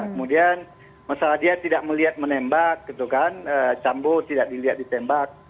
kemudian masalah dia tidak melihat menembak gitu kan cambo tidak dilihat ditembak